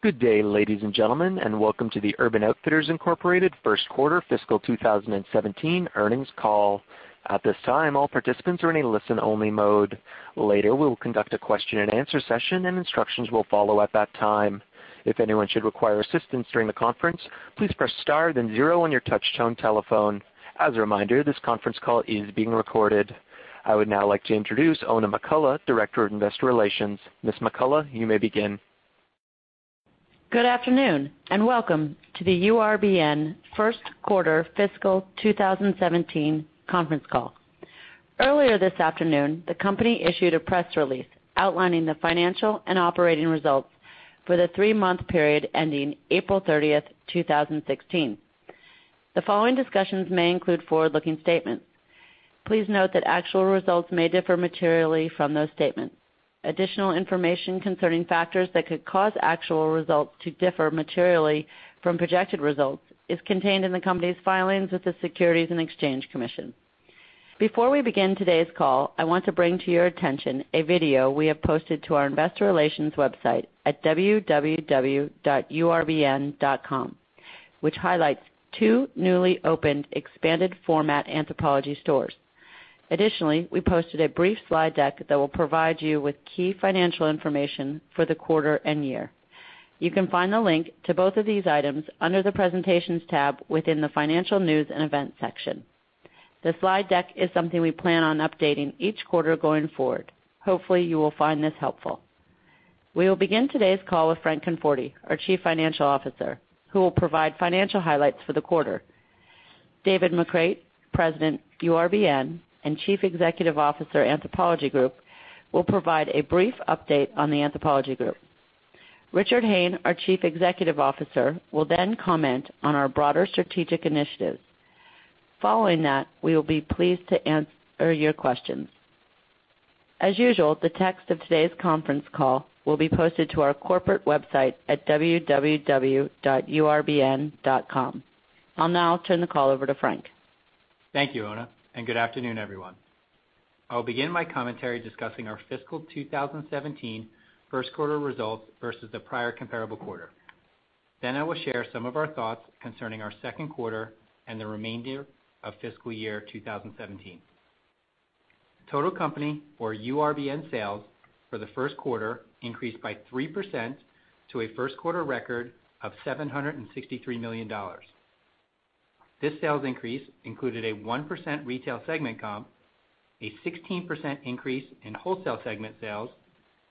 Good day, ladies and gentlemen, and welcome to the Urban Outfitters, Inc. First Quarter Fiscal 2017 Earnings Call. At this time, all participants are in a listen-only mode. Later, we will conduct a question-and-answer session, and instructions will follow at that time. If anyone should require assistance during the conference, please press star then zero on your touchtone telephone. As a reminder, this conference call is being recorded. I would now like to introduce Oona McCullough, Director of Investor Relations. Ms. McCullough, you may begin. Good afternoon, and welcome to the URBN First Quarter Fiscal 2017 Conference Call. Earlier this afternoon, the company issued a press release outlining the financial and operating results for the three-month period ending April 30, 2016. The following discussions may include forward-looking statements. Please note that actual results may differ materially from those statements. Additional information concerning factors that could cause actual results to differ materially from projected results is contained in the company's filings with the Securities and Exchange Commission. Before we begin today's call, I want to bring to your attention a video we have posted to our investor relations website at www.urbn.com, which highlights two newly opened expanded format Anthropologie stores. Additionally, we posted a brief slide deck that will provide you with key financial information for the quarter and year. You can find the link to both of these items under the presentations tab within the financial news and events section. The slide deck is something we plan on updating each quarter going forward. Hopefully, you will find this helpful. We will begin today's call with Frank Conforti, our Chief Financial Officer, who will provide financial highlights for the quarter. David McCreight, President, URBN and Chief Executive Officer, Anthropologie Group, will provide a brief update on the Anthropologie Group. Richard Hayne, our Chief Executive Officer, will then comment on our broader strategic initiatives. Following that, we will be pleased to answer your questions. As usual, the text of today's conference call will be posted to our corporate website at www.urbn.com. I will now turn the call over to Frank. Thank you, Oona, and good afternoon, everyone. I will begin my commentary discussing our fiscal 2017 first quarter results versus the prior comparable quarter. I will then share some of our thoughts concerning our second quarter and the remainder of fiscal year 2017. Total company for URBN sales for the first quarter increased by 3% to a first quarter record of $763 million. This sales increase included a 1% retail segment comp, a 16% increase in wholesale segment sales,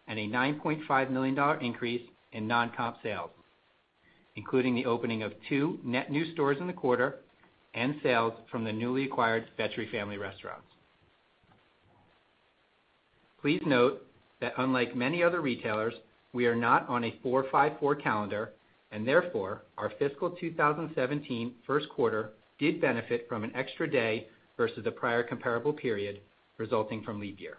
and a $9.5 million increase in non-comp sales, including the opening of two net new stores in the quarter and sales from the newly acquired Vetri Family Restaurant. Please note that unlike many other retailers, we are not on a 4-5-4 calendar, and therefore, our fiscal 2017 first quarter did benefit from an extra day versus the prior comparable period resulting from leap year.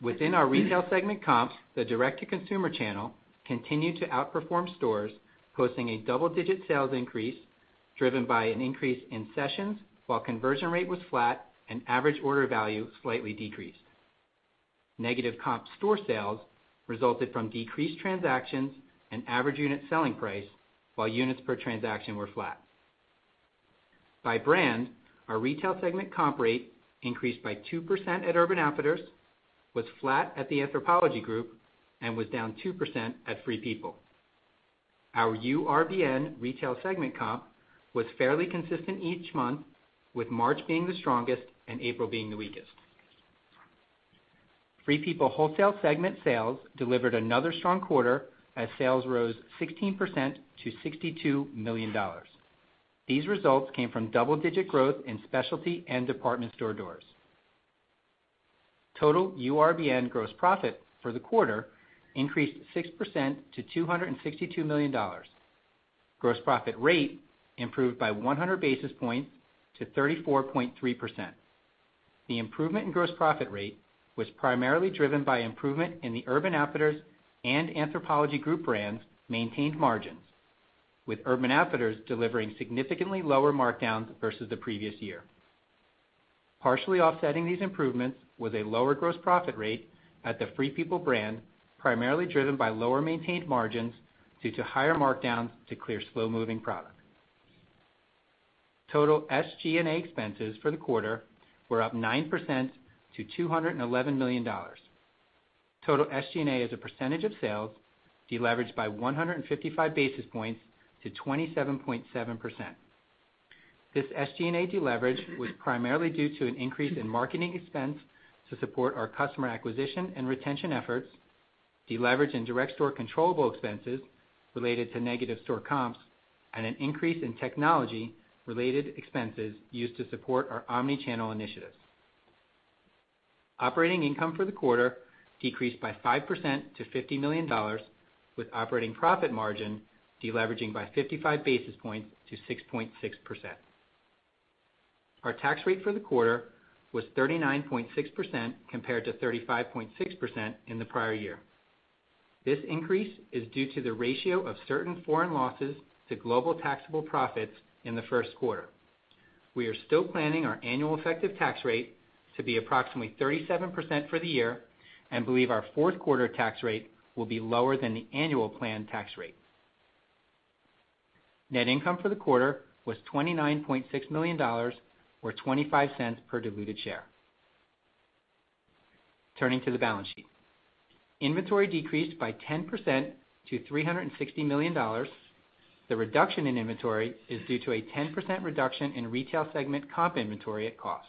Within our retail segment comps, the direct-to-consumer channel continued to outperform stores, posting a double-digit sales increase driven by an increase in sessions, while conversion rate was flat and average order value slightly decreased. Negative comp store sales resulted from decreased transactions and average unit selling price, while units per transaction were flat. By brand, our retail segment comp rate increased by 2% at Urban Outfitters, was flat at the Anthropologie Group, and was down 2% at Free People. Our URBN retail segment comp was fairly consistent each month, with March being the strongest and April being the weakest. Free People wholesale segment sales delivered another strong quarter as sales rose 16% to $62 million. These results came from double-digit growth in specialty and department store doors. Total URBN gross profit for the quarter increased 6% to $262 million. Gross profit rate improved by 100 basis points to 34.3%. The improvement in gross profit rate was primarily driven by improvement in the Urban Outfitters and Anthropologie Group brands maintained margins, with Urban Outfitters delivering significantly lower markdowns versus the previous year. Partially offsetting these improvements with a lower gross profit rate at the Free People brand, primarily driven by lower maintained margins due to higher markdowns to clear slow-moving product. Total SG&A expenses for the quarter were up 9% to $211 million. Total SG&A as a percentage of sales deleveraged by 155 basis points to 27.7%. This SG&A deleverage was primarily due to an increase in marketing expense to support our customer acquisition and retention efforts, deleverage in direct store controllable expenses related to negative store comps, and an increase in technology-related expenses used to support our omni-channel initiatives. Operating income for the quarter decreased by 5% to $50 million, with operating profit margin deleveraging by 55 basis points to 6.6%. Our tax rate for the quarter was 39.6% compared to 35.6% in the prior year. This increase is due to the ratio of certain foreign losses to global taxable profits in the first quarter. We are still planning our annual effective tax rate to be approximately 37% for the year, and believe our fourth quarter tax rate will be lower than the annual planned tax rate. Net income for the quarter was $29.6 million, or $0.25 per diluted share. Turning to the balance sheet. Inventory decreased by 10% to $360 million. The reduction in inventory is due to a 10% reduction in retail segment comp inventory at cost.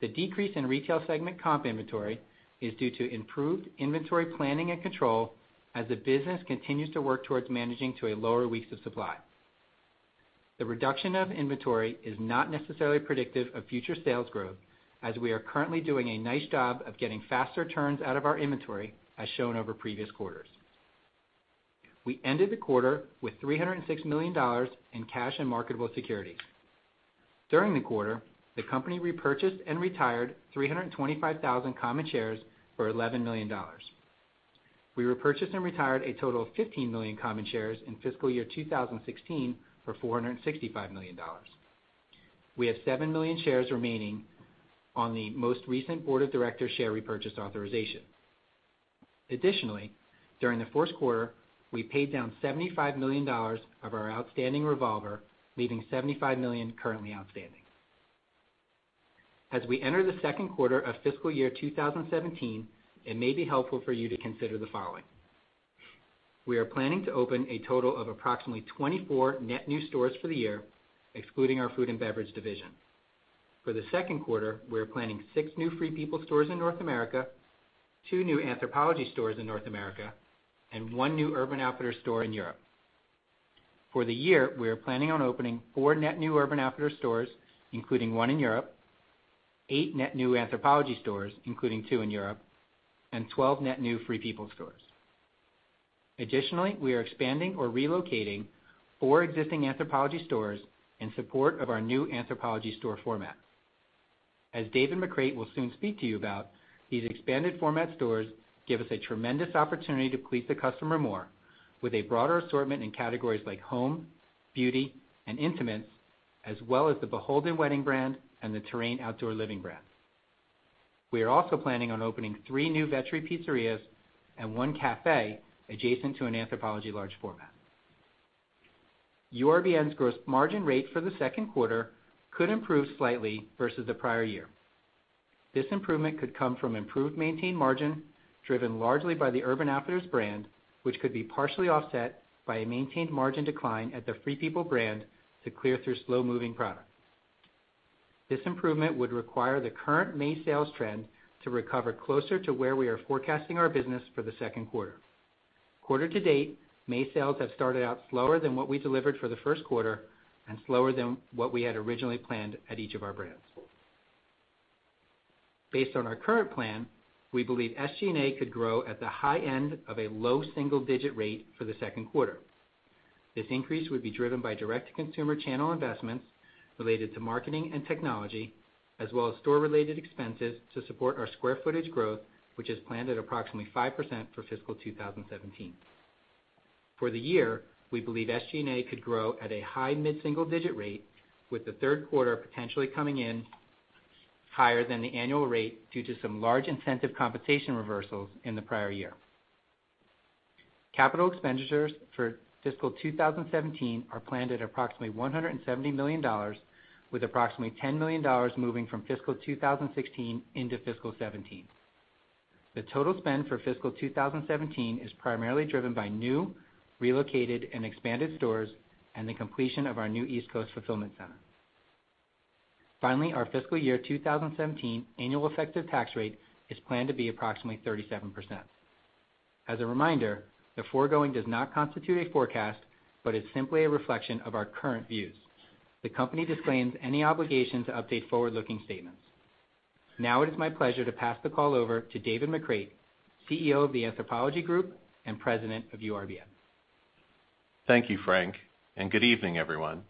The decrease in retail segment comp inventory is due to improved inventory planning and control as the business continues to work towards managing to a lower weeks of supply. The reduction of inventory is not necessarily predictive of future sales growth, as we are currently doing a nice job of getting faster turns out of our inventory, as shown over previous quarters. We ended the quarter with $306 million in cash and marketable securities. During the quarter, the company repurchased and retired 325,000 common shares for $11 million. We repurchased and retired a total of 15 million common shares in fiscal year 2016 for $465 million. We have 7 million shares remaining on the most recent Board of Directors share repurchase authorization. Additionally, during the first quarter, we paid down $75 million of our outstanding revolver, leaving $75 million currently outstanding. As we enter the second quarter of fiscal year 2017, it may be helpful for you to consider the following. We are planning to open a total of approximately 24 net new stores for the year, excluding our food and beverage division. For the second quarter, we are planning six new Free People stores in North America, two new Anthropologie stores in North America, and one new Urban Outfitters store in Europe. For the year, we are planning on opening four net new Urban Outfitters stores, including one in Europe, eight net new Anthropologie stores, including two in Europe, and 12 net new Free People stores. Additionally, we are expanding or relocating four existing Anthropologie stores in support of our new Anthropologie store format. As David McCreight will soon speak to you about, these expanded format stores give us a tremendous opportunity to please the customer more with a broader assortment in categories like home, beauty, and intimates, as well as the BHLDN wedding brand and the Terrain outdoor living brand. We are also planning on opening three new Vetri pizzerias and one cafe adjacent to an Anthropologie large format. URBN's gross margin rate for the second quarter could improve slightly versus the prior year. This improvement could come from improved maintained margin, driven largely by the Urban Outfitters brand, which could be partially offset by a maintained margin decline at the Free People brand to clear through slow-moving product. This improvement would require the current May sales trend to recover closer to where we are forecasting our business for the second quarter. Quarter to date, May sales have started out slower than what we delivered for the first quarter and slower than what we had originally planned at each of our brands. Based on our current plan, we believe SG&A could grow at the high end of a low single-digit rate for the second quarter. This increase would be driven by direct-to-consumer channel investments related to marketing and technology, as well as store-related expenses to support our square footage growth, which is planned at approximately 5% for fiscal 2017. For the year, we believe SG&A could grow at a high mid-single digit rate, with the third quarter potentially coming in higher than the annual rate due to some large incentive compensation reversals in the prior year. Capital expenditures for fiscal 2017 are planned at approximately $170 million, with approximately $10 million moving from fiscal 2016 into fiscal 2017. The total spend for fiscal 2017 is primarily driven by new, relocated, and expanded stores, and the completion of our new East Coast fulfillment center. Finally, our fiscal year 2017 annual effective tax rate is planned to be approximately 37%. As a reminder, the foregoing does not constitute a forecast, but is simply a reflection of our current views. The company disclaims any obligation to update forward-looking statements. Now it is my pleasure to pass the call over to David McCreight, CEO of the Anthropologie Group and President of URBN. Thank you, Frank, and good evening, everyone.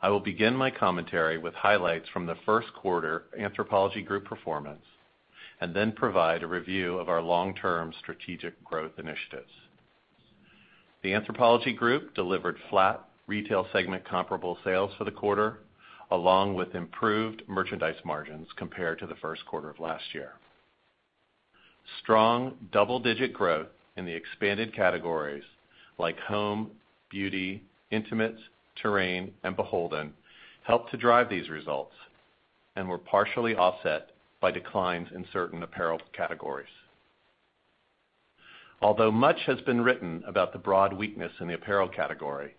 I will begin my commentary with highlights from the first quarter Anthropologie Group performance, and then provide a review of our long-term strategic growth initiatives. The Anthropologie Group delivered flat retail segment comparable sales for the quarter, along with improved merchandise margins compared to the first quarter of last year. Strong double-digit growth in the expanded categories like home, beauty, intimates, Terrain, and BHLDN helped to drive these results and were partially offset by declines in certain apparel categories. Although much has been written about the broad weakness in the apparel category,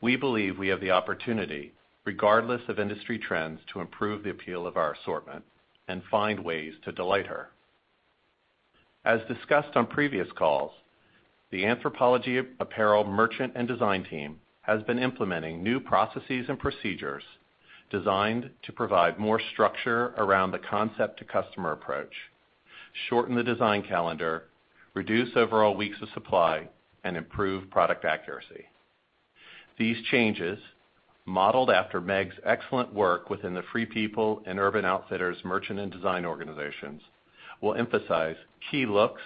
we believe we have the opportunity, regardless of industry trends, to improve the appeal of our assortment and find ways to delight her. As discussed on previous calls, the Anthropologie apparel merchant and design team has been implementing new processes and procedures designed to provide more structure around the concept-to-customer approach, shorten the design calendar, reduce overall weeks of supply, and improve product accuracy. These changes, modeled after Meg's excellent work within the Free People and Urban Outfitters merchant and design organizations, will emphasize key looks,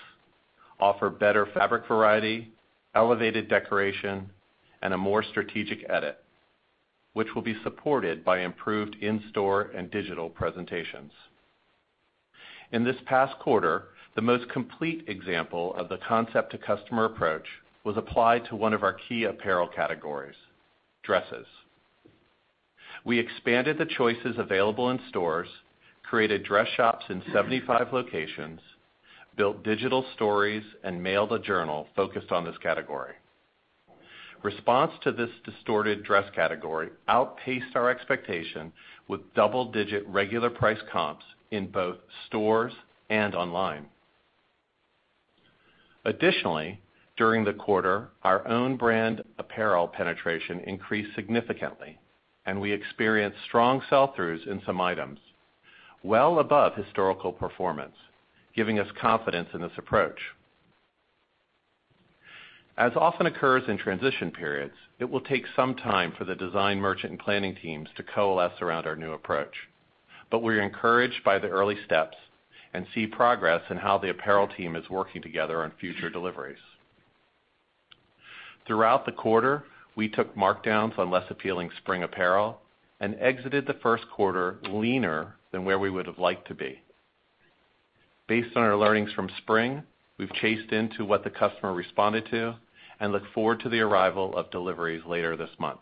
offer better fabric variety, elevated decoration, and a more strategic edit, which will be supported by improved in-store and digital presentations. In this past quarter, the most complete example of the concept-to-customer approach was applied to one of our key apparel categories, dresses. We expanded the choices available in stores, created dress shops in 75 locations, built digital stories, and mailed a journal focused on this category. Response to this distorted dress category outpaced our expectation with double-digit regular price comps in both stores and online. Additionally, during the quarter, our own brand apparel penetration increased significantly, and we experienced strong sell-throughs in some items, well above historical performance, giving us confidence in this approach. As often occurs in transition periods, it will take some time for the design merchant and planning teams to coalesce around our new approach. We're encouraged by the early steps and see progress in how the apparel team is working together on future deliveries. Throughout the quarter, we took markdowns on less appealing spring apparel and exited the first quarter leaner than where we would've liked to be. Based on our learnings from spring, we've chased into what the customer responded to and look forward to the arrival of deliveries later this month.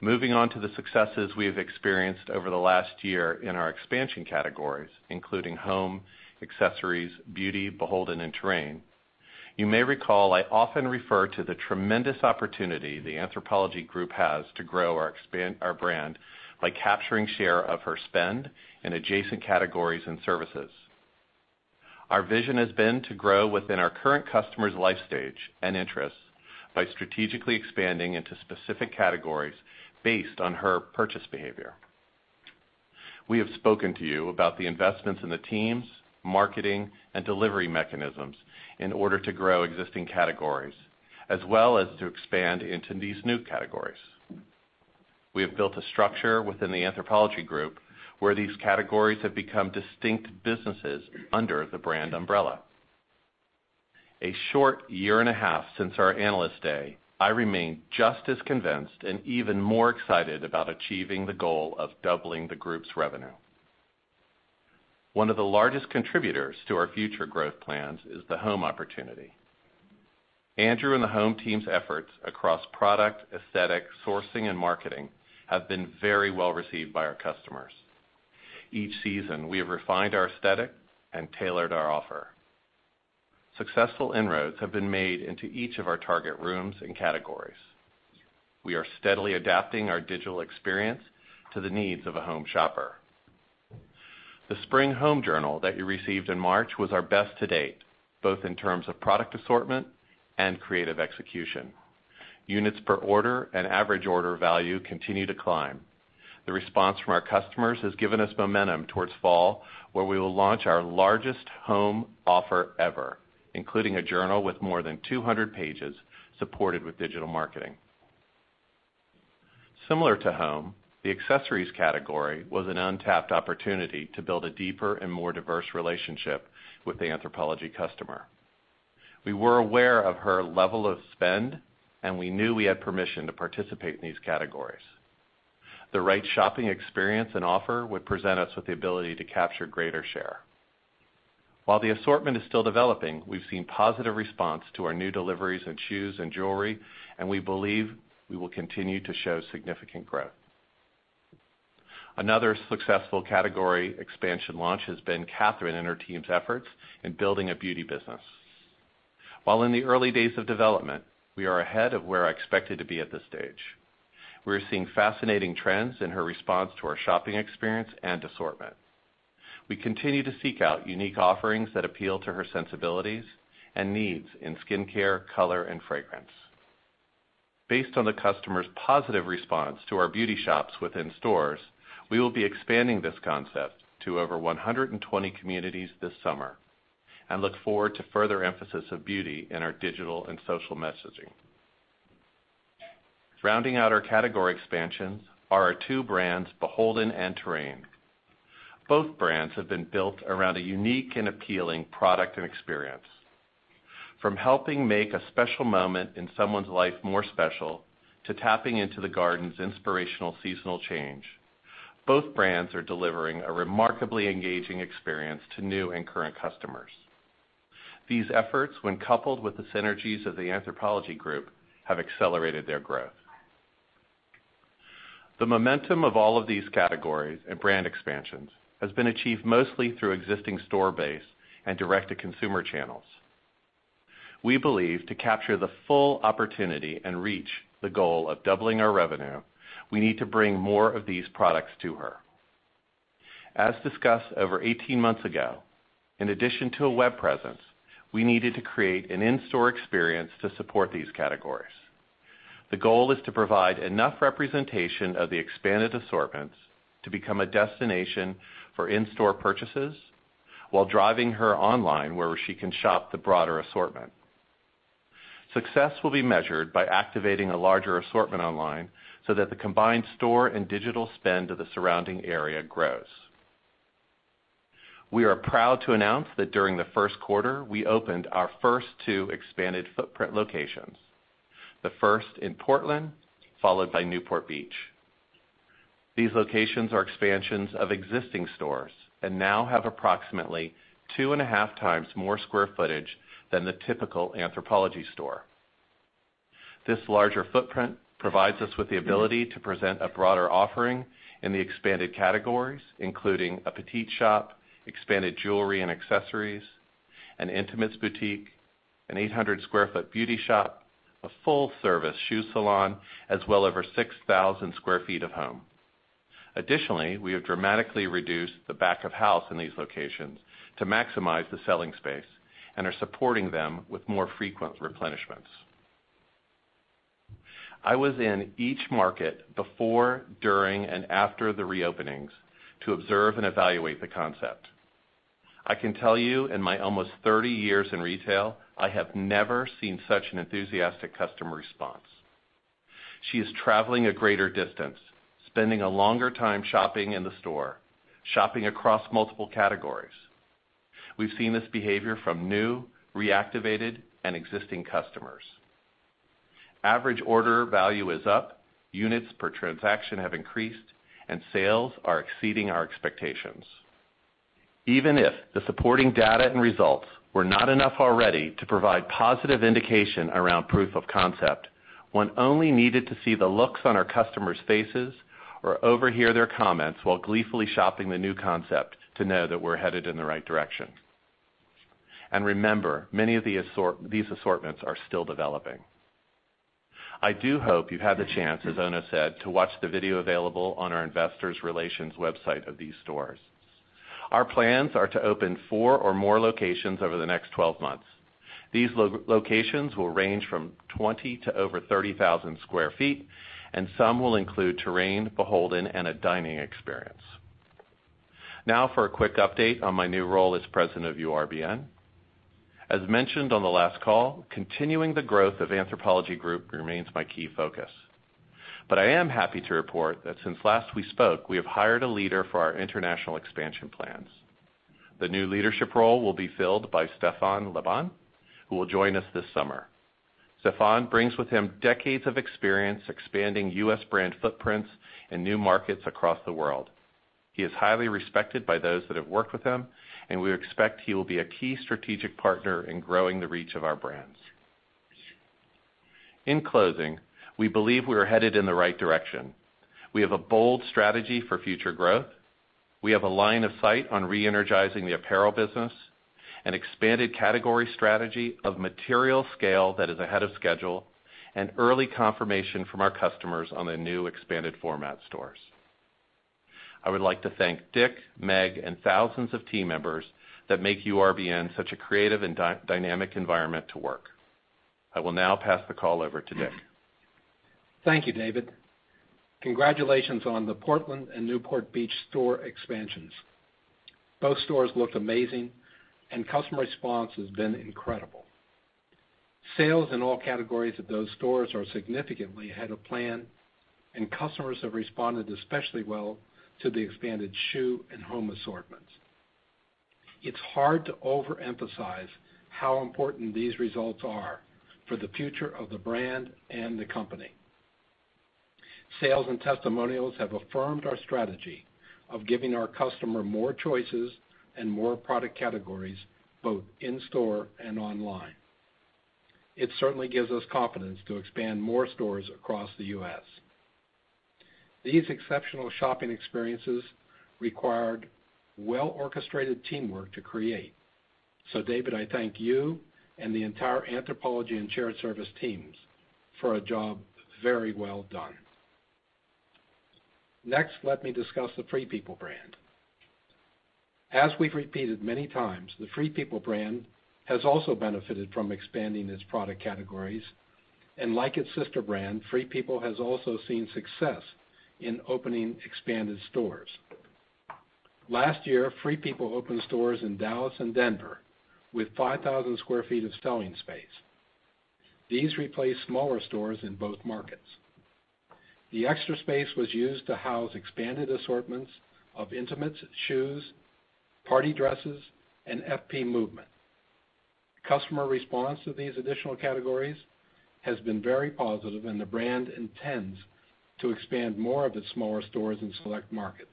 Moving on to the successes we have experienced over the last year in our expansion categories, including home, accessories, beauty, BHLDN, and Terrain. You may recall, I often refer to the tremendous opportunity the Anthropologie Group has to grow our brand by capturing share of her spend in adjacent categories and services. Our vision has been to grow within our current customer's life stage and interests by strategically expanding into specific categories based on her purchase behavior. We have spoken to you about the investments in the teams, marketing, and delivery mechanisms in order to grow existing categories, as well as to expand into these new categories. We have built a structure within the Anthropologie Group where these categories have become distinct businesses under the brand umbrella. A short year and a half since our Analyst Day, I remain just as convinced and even more excited about achieving the goal of doubling the group's revenue. One of the largest contributors to our future growth plans is the home opportunity. Andrew and the home team's efforts across product, aesthetic, sourcing, and marketing have been very well received by our customers. Each season, we have refined our aesthetic and tailored our offer. Successful inroads have been made into each of our target rooms and categories. We are steadily adapting our digital experience to the needs of a home shopper. The spring home journal that you received in March was our best to date, both in terms of product assortment and creative execution. Units per order and average order value continue to climb. The response from our customers has given us momentum towards fall, where we will launch our largest home offer ever, including a journal with more than 200 pages supported with digital marketing. Similar to home, the accessories category was an untapped opportunity to build a deeper and more diverse relationship with the Anthropologie customer. We were aware of her level of spend, and we knew we had permission to participate in these categories. The right shopping experience and offer would present us with the ability to capture greater share. While the assortment is still developing, we've seen positive response to our new deliveries in shoes and jewelry, and we believe we will continue to show significant growth. Another successful category expansion launch has been Catherine and her team's efforts in building a beauty business. While in the early days of development, we are ahead of where I expected to be at this stage. We're seeing fascinating trends in her response to our shopping experience and assortment. We continue to seek out unique offerings that appeal to her sensibilities and needs in skincare, color, and fragrance. Based on the customer's positive response to our beauty shops within stores, we will be expanding this concept to over 120 communities this summer, and look forward to further emphasis of beauty in our digital and social messaging. Rounding out our category expansions are our two brands, BHLDN and Terrain. Both brands have been built around a unique and appealing product and experience. From helping make a special moment in someone's life more special to tapping into the garden's inspirational seasonal change, both brands are delivering a remarkably engaging experience to new and current customers. These efforts, when coupled with the synergies of the Anthropologie Group, have accelerated their growth. The momentum of all of these categories and brand expansions has been achieved mostly through existing store base and direct-to-consumer channels. We believe to capture the full opportunity and reach the goal of doubling our revenue, we need to bring more of these products to her. As discussed over 18 months ago, in addition to a web presence, we needed to create an in-store experience to support these categories. The goal is to provide enough representation of the expanded assortments to become a destination for in-store purchases while driving her online, where she can shop the broader assortment. Success will be measured by activating a larger assortment online so that the combined store and digital spend of the surrounding area grows. We are proud to announce that during the first quarter, we opened our first two expanded footprint locations. The first in Portland, followed by Newport Beach. These locations are expansions of existing stores and now have approximately two and a half times more square footage than the typical Anthropologie store. This larger footprint provides us with the ability to present a broader offering in the expanded categories, including a petite shop, expanded jewelry and accessories, an intimates boutique, an 800 sq ft beauty shop, a full-service shoe salon, as well over 6,000 sq ft of home. Additionally, we have dramatically reduced the back of house in these locations to maximize the selling space and are supporting them with more frequent replenishments. I was in each market before, during, and after the reopenings to observe and evaluate the concept. I can tell you, in my almost 30 years in retail, I have never seen such an enthusiastic customer response. She is traveling a greater distance, spending a longer time shopping in the store, shopping across multiple categories. We've seen this behavior from new, reactivated, and existing customers. Average order value is up, units per transaction have increased, and sales are exceeding our expectations. Even if the supporting data and results were not enough already to provide positive indication around proof of concept, one only needed to see the looks on our customers' faces or overhear their comments while gleefully shopping the new concept to know that we're headed in the right direction. Remember, many of these assortments are still developing. I do hope you've had the chance, as Oona said, to watch the video available on our investor relations website of these stores. Our plans are to open four or more locations over the next 12 months. These locations will range from 20 to over 30,000 sq ft, and some will include Terrain, BHLDN, and a dining experience. Now for a quick update on my new role as president of URBN. As mentioned on the last call, continuing the growth of Anthropologie Group remains my key focus. I am happy to report that since last we spoke, we have hired a leader for our international expansion plans. The new leadership role will be filled by Stefan Laban, who will join us this summer. Stefan brings with him decades of experience expanding U.S. brand footprints in new markets across the world. He is highly respected by those that have worked with him, and we expect he will be a key strategic partner in growing the reach of our brands. In closing, we believe we are headed in the right direction. We have a bold strategy for future growth. We have a line of sight on re-energizing the apparel business, an expanded category strategy of material scale that is ahead of schedule, and early confirmation from our customers on the new expanded format stores. I would like to thank Dick, Meg, and thousands of team members that make URBN such a creative and dynamic environment to work. I will now pass the call over to Dick. Thank you, David. Congratulations on the Portland and Newport Beach store expansions. Both stores look amazing and customer response has been incredible. Sales in all categories of those stores are significantly ahead of plan, and customers have responded especially well to the expanded shoe and home assortments. It's hard to overemphasize how important these results are for the future of the brand and the company. Sales and testimonials have affirmed our strategy of giving our customer more choices and more product categories, both in-store and online. It certainly gives us confidence to expand more stores across the U.S. These exceptional shopping experiences required well-orchestrated teamwork to create. David, I thank you and the entire Anthropologie and shared service teams for a job very well done. Next, let me discuss the Free People brand. As we've repeated many times, the Free People brand has also benefited from expanding its product categories. Like its sister brand, Free People has also seen success in opening expanded stores. Last year, Free People opened stores in Dallas and Denver with 5,000 sq ft of selling space. These replaced smaller stores in both markets. The extra space was used to house expanded assortments of intimates, shoes, party dresses, and FP Movement. Customer response to these additional categories has been very positive, and the brand intends to expand more of its smaller stores in select markets.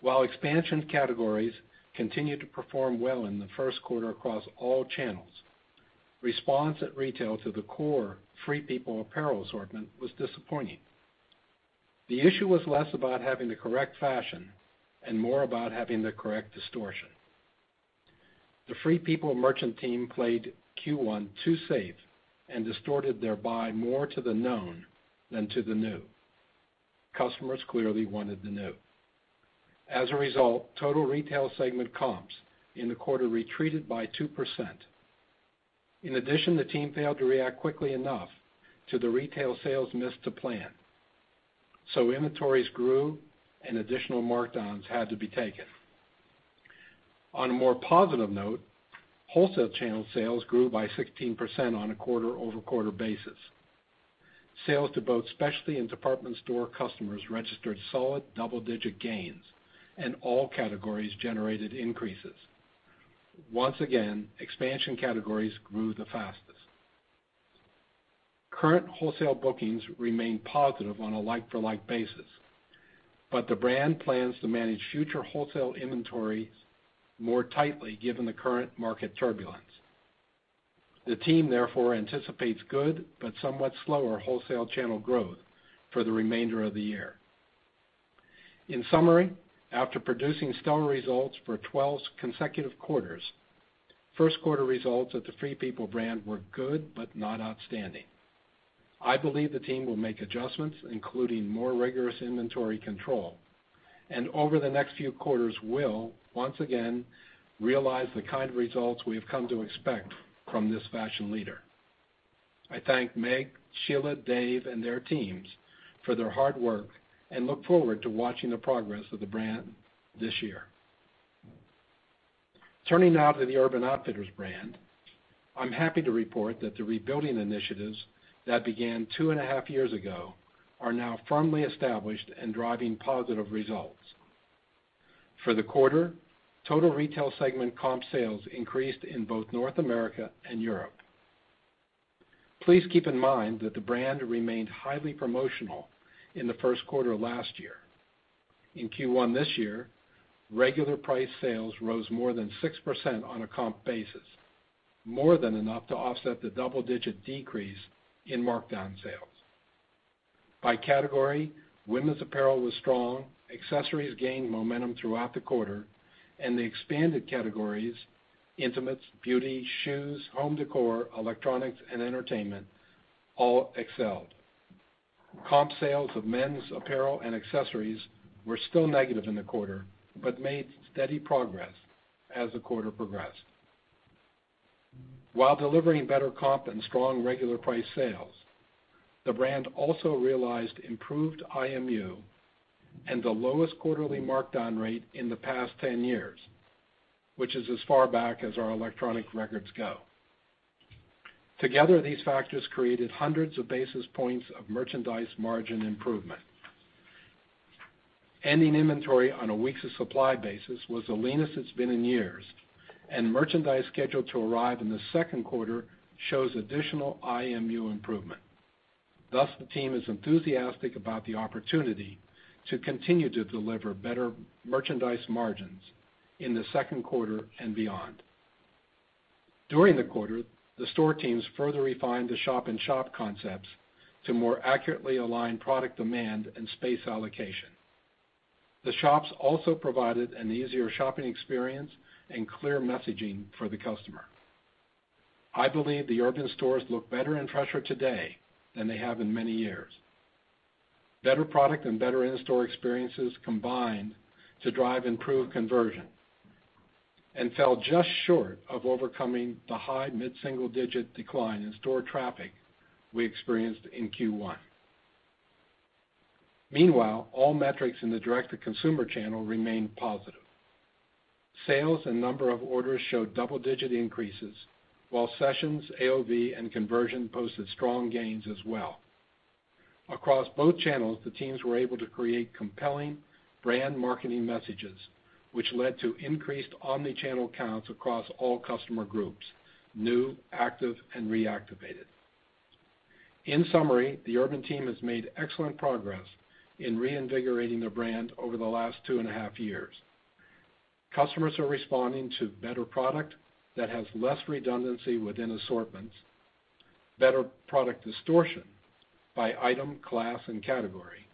While expansion categories continued to perform well in the first quarter across all channels, response at retail to the core Free People apparel assortment was disappointing. The issue was less about having the correct fashion and more about having the correct distortion. The Free People merchant team played Q1 too safe and distorted thereby more to the known than to the new. Customers clearly wanted the new. As a result, total retail segment comps in the quarter retreated by 2%. In addition, the team failed to react quickly enough to the retail sales miss to plan. Inventories grew and additional markdowns had to be taken. On a more positive note, wholesale channel sales grew by 16% on a quarter-over-quarter basis. Sales to both specialty and department store customers registered solid double-digit gains, and all categories generated increases. Once again, expansion categories grew the fastest. Current wholesale bookings remain positive on a like-for-like basis, but the brand plans to manage future wholesale inventories more tightly given the current market turbulence. The team therefore anticipates good, but somewhat slower wholesale channel growth for the remainder of the year. In summary, after producing stellar results for 12 consecutive quarters, first quarter results at the Free People brand were good but not outstanding. I believe the team will make adjustments, including more rigorous inventory control, and over the next few quarters will, once again, realize the kind of results we have come to expect from this fashion leader. I thank Meg, Sheila, Dave, and their teams for their hard work and look forward to watching the progress of the brand this year. Turning now to the Urban Outfitters brand, I'm happy to report that the rebuilding initiatives that began two and a half years ago are now firmly established and driving positive results. For the quarter, total retail segment comp sales increased in both North America and Europe. Please keep in mind that the brand remained highly promotional in the first quarter of last year. In Q1 this year, regular price sales rose more than 6% on a comp basis, more than enough to offset the double-digit decrease in markdown sales. By category, women's apparel was strong, accessories gained momentum throughout the quarter, and the expanded categories, intimates, beauty, shoes, home decor, electronics, and entertainment all excelled. Comp sales of men's apparel and accessories were still negative in the quarter but made steady progress as the quarter progressed. While delivering better comp and strong regular price sales, the brand also realized improved IMU and the lowest quarterly markdown rate in the past 10 years, which is as far back as our electronic records go. Together, these factors created hundreds of basis points of merchandise margin improvement. Ending inventory on a weeks of supply basis was the leanest it's been in years, and merchandise scheduled to arrive in the second quarter shows additional IMU improvement. The team is enthusiastic about the opportunity to continue to deliver better merchandise margins in the second quarter and beyond. During the quarter, the store teams further refined the shop-in-shop concepts to more accurately align product demand and space allocation. The shops also provided an easier shopping experience and clear messaging for the customer. I believe the Urban stores look better and fresher today than they have in many years. Better product and better in-store experiences combined to drive improved conversion and fell just short of overcoming the high mid-single-digit decline in store traffic we experienced in Q1. Meanwhile, all metrics in the direct-to-consumer channel remained positive. Sales and number of orders showed double-digit increases, while sessions, AOV, and conversion posted strong gains as well. Across both channels, the teams were able to create compelling brand marketing messages, which led to increased omni-channel counts across all customer groups, new, active, and reactivated. In summary, the Urban team has made excellent progress in reinvigorating their brand over the last two and a half years. Customers are responding to better product that has less redundancy within assortments, better product distortion by item, class, and category,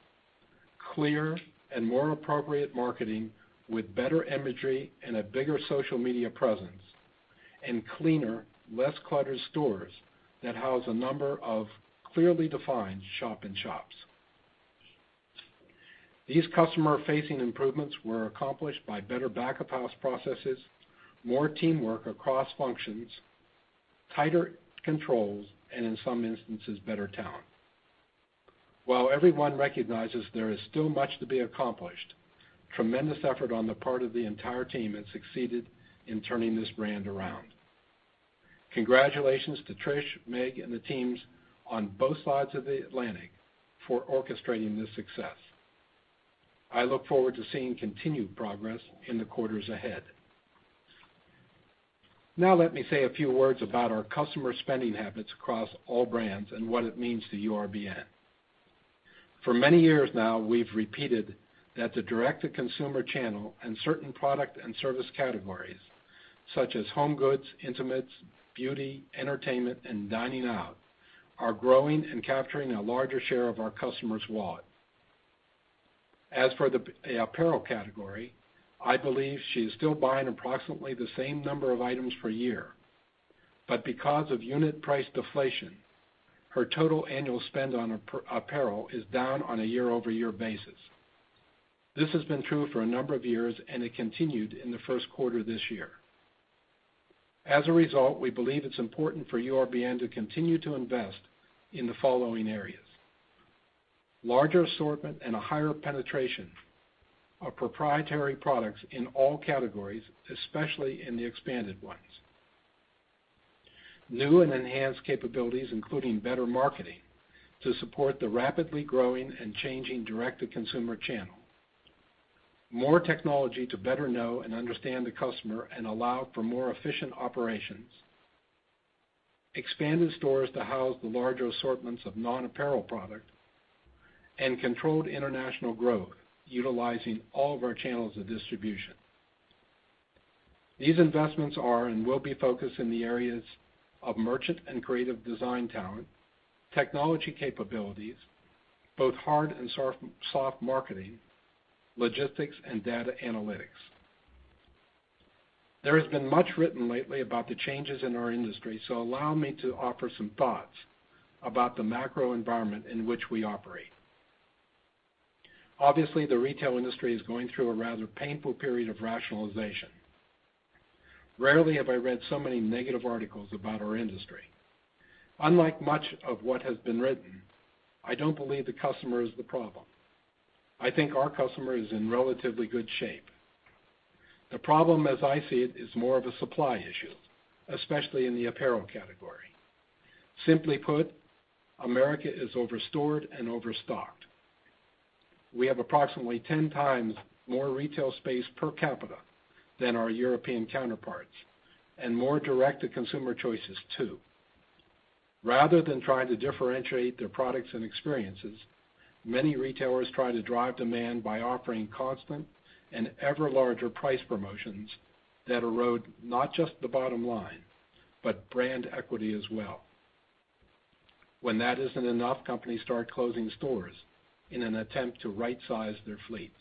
clear and more appropriate marketing with better imagery and a bigger social media presence, and cleaner, less cluttered stores that house a number of clearly defined shop-in-shops. These customer-facing improvements were accomplished by better back-of-house processes, more teamwork across functions, tighter controls, and in some instances, better talent. While everyone recognizes there is still much to be accomplished, tremendous effort on the part of the entire team has succeeded in turning this brand around. Congratulations to Trish, Meg, and the teams on both sides of the Atlantic for orchestrating this success. I look forward to seeing continued progress in the quarters ahead. Now let me say a few words about our customer spending habits across all brands and what it means to URBN. For many years now, we've repeated that the direct-to-consumer channel and certain product and service categories such as home goods, intimates, beauty, entertainment, and dining out are growing and capturing a larger share of our customers' wallet. As for the apparel category, I believe she is still buying approximately the same number of items per year, but because of unit price deflation, her total annual spend on apparel is down on a year-over-year basis. This has been true for a number of years, and it continued in the first quarter this year. As a result, we believe it's important for URBN to continue to invest in the following areas. Larger assortment and a higher penetration of proprietary products in all categories, especially in the expanded ones. New and enhanced capabilities, including better marketing to support the rapidly growing and changing direct-to-consumer channel. More technology to better know and understand the customer and allow for more efficient operations. Expanded stores to house the larger assortments of non-apparel product and controlled international growth, utilizing all of our channels of distribution. These investments are and will be focused in the areas of merchant and creative design talent, technology capabilities, both hard and soft marketing, logistics, and data analytics. There has been much written lately about the changes in our industry. Allow me to offer some thoughts about the macro environment in which we operate. The retail industry is going through a rather painful period of rationalization. Rarely have I read so many negative articles about our industry. Unlike much of what has been written, I don't believe the customer is the problem. I think our customer is in relatively good shape. The problem, as I see it, is more of a supply issue, especially in the apparel category. America is over-stored and overstocked. We have approximately 10 times more retail space per capita than our European counterparts, and more direct-to-consumer choices, too. Rather than trying to differentiate their products and experiences, many retailers try to drive demand by offering constant and ever larger price promotions that erode not just the bottom line, but brand equity as well. That isn't enough, companies start closing stores in an attempt to right-size their fleets.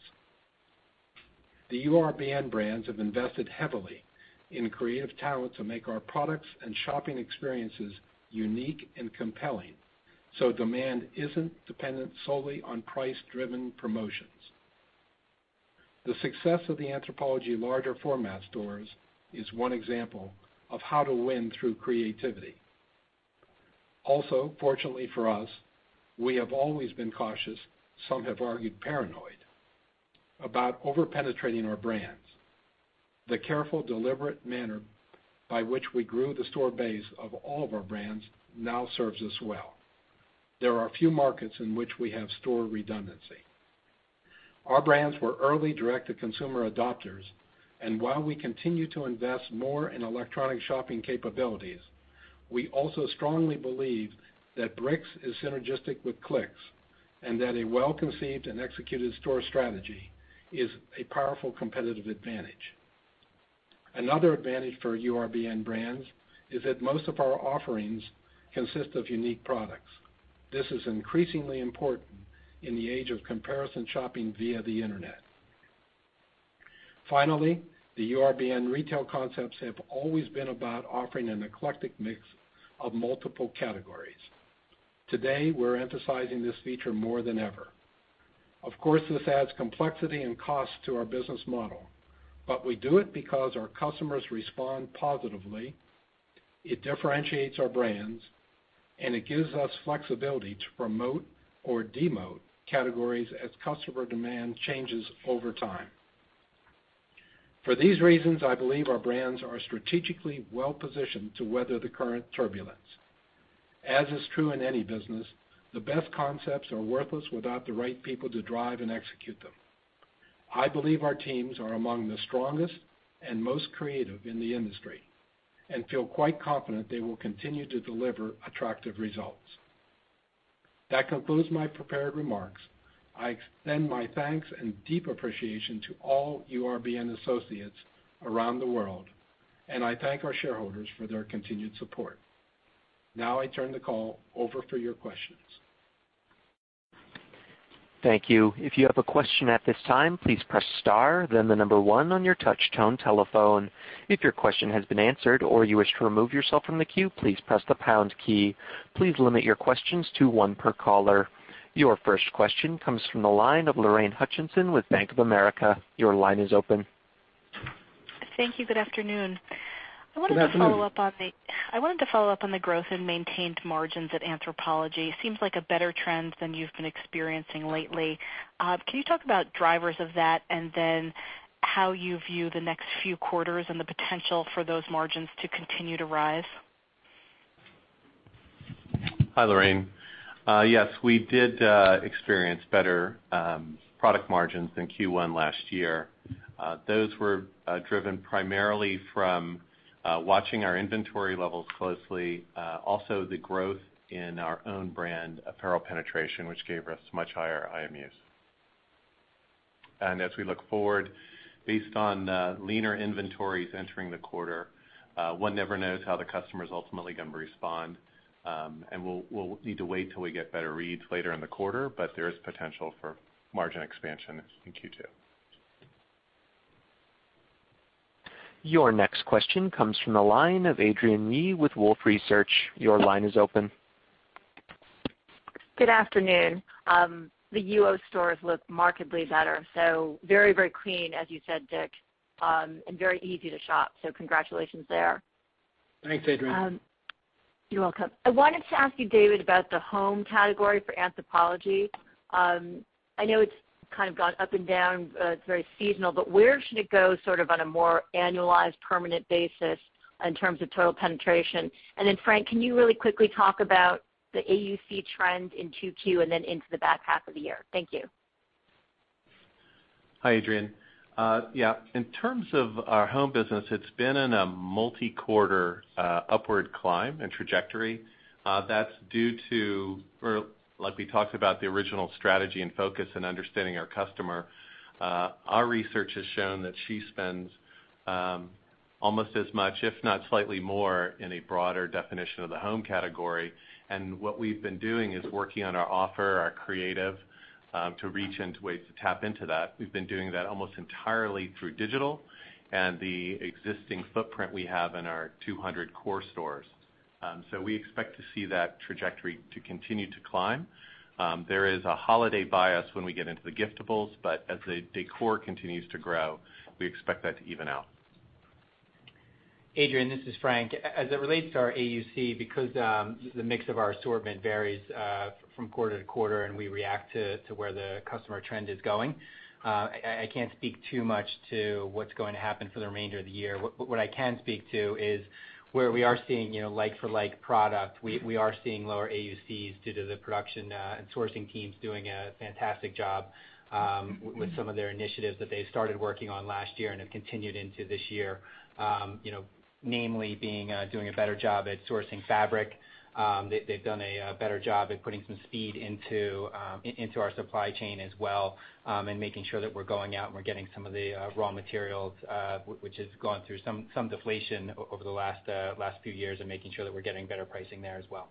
The URBN brands have invested heavily in creative talent to make our products and shopping experiences unique and compelling, so demand isn't dependent solely on price-driven promotions. The success of the Anthropologie larger format stores is one example of how to win through creativity. Fortunately for us, we have always been cautious, some have argued paranoid, about over-penetrating our brands. The careful, deliberate manner by which we grew the store base of all of our brands now serves us well. There are few markets in which we have store redundancy. Our brands were early direct-to-consumer adopters, and while we continue to invest more in electronic shopping capabilities, we also strongly believe that bricks is synergistic with clicks, and that a well-conceived and executed store strategy is a powerful competitive advantage. Another advantage for URBN brands is that most of our offerings consist of unique products. This is increasingly important in the age of comparison shopping via the Internet. The URBN retail concepts have always been about offering an eclectic mix of multiple categories. Today, we're emphasizing this feature more than ever. This adds complexity and cost to our business model, but we do it because our customers respond positively, it differentiates our brands, and it gives us flexibility to promote or demote categories as customer demand changes over time. For these reasons, I believe our brands are strategically well-positioned to weather the current turbulence. As is true in any business, the best concepts are worthless without the right people to drive and execute them. I believe our teams are among the strongest and most creative in the industry and feel quite confident they will continue to deliver attractive results. That concludes my prepared remarks. I extend my thanks and deep appreciation to all URBN associates around the world, and I thank our shareholders for their continued support. Now I turn the call over for your questions. Thank you. If you have a question at this time, please press star, then 1 on your touch-tone telephone. If your question has been answered or you wish to remove yourself from the queue, please press the pound key. Please limit your questions to one per caller. Your first question comes from the line of Lorraine Hutchinson with Bank of America. Your line is open. Thank you. Good afternoon. Good afternoon. I wanted to follow up on the growth and maintained margins at Anthropologie. Seems like a better trend than you've been experiencing lately. Can you talk about drivers of that and then how you view the next few quarters and the potential for those margins to continue to rise? Hi, Lorraine. Yes, we did experience better product margins than Q1 last year. Those were driven primarily from watching our inventory levels closely. Also, the growth in our own brand apparel penetration, which gave us much higher IMUs. As we look forward, based on leaner inventories entering the quarter, one never knows how the customer is ultimately going to respond. We'll need to wait till we get better reads later in the quarter, but there is potential for margin expansion in Q2. Your next question comes from the line of Adrienne Yih with Wolfe Research. Your line is open. Good afternoon. The UO stores look markedly better. Very clean, as you said, Dick, and very easy to shop. Congratulations there. Thanks, Adrienne. You're welcome. I wanted to ask you, David, about the home category for Anthropologie. I know it's kind of gone up and down. It's very seasonal, but where should it go sort of on a more annualized, permanent basis in terms of total penetration? Then Frank, can you really quickly talk about the AUC trend in Q2 and then into the back half of the year? Thank you. Hi, Adrienne. Yeah, in terms of our home business, it's been in a multi-quarter upward climb and trajectory. That's due to, like we talked about, the original strategy and focus in understanding our customer. Our research has shown that she spends almost as much, if not slightly more, in a broader definition of the home category. What we've been doing is working on our offer, our creative, to reach into ways to tap into that. We've been doing that almost entirely through digital and the existing footprint we have in our 200 core stores. We expect to see that trajectory to continue to climb. There is a holiday bias when we get into the giftables, but as the decor continues to grow, we expect that to even out. Adrienne, this is Frank. As it relates to our AUC, because the mix of our assortment varies from quarter to quarter and we react to where the customer trend is going, I can't speak too much to what's going to happen for the remainder of the year. What I can speak to is where we are seeing like-for-like product. We are seeing lower AUCs due to the production and sourcing teams doing a fantastic job with some of their initiatives that they started working on last year and have continued into this year. Namely doing a better job at sourcing fabric. They've done a better job at putting some speed into our supply chain as well, and making sure that we're going out and we're getting some of the raw materials, which has gone through some deflation over the last few years, and making sure that we're getting better pricing there as well.